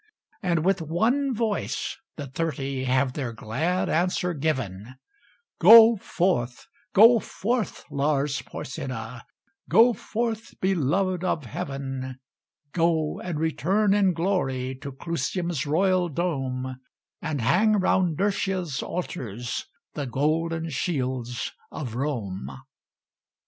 And with one voice the Thirty Have their glad answer given: "Go forth, go forth, Lars Porsena; Go forth, beloved of Heaven; Go, and return in glory To Clusium's royal dome, And hang round Nurscia's altars The golden shields of Rome."